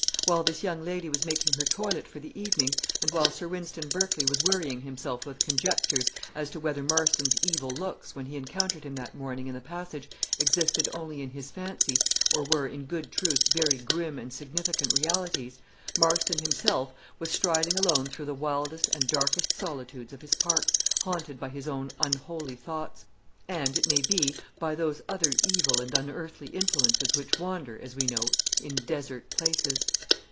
While this young lady was making her toilet for the evening, and while Sir Wynston Berkley was worrying himself with conjectures as to whether Marston's evil looks, when he encountered him that morning in the passage, existed only in his own fancy, or were, in good truth, very grim and significant realities, Marston himself was striding alone through the wildest and darkest solitudes of his park, haunted by his own unholy thoughts, and, it may be, by those other evil and unearthly influences which wander, as we know, "in desert places."